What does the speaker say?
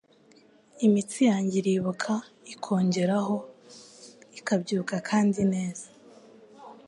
Imitsi yanjye iribuka ikongeraho, ikabyuka kandi neza